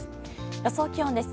予想気温です。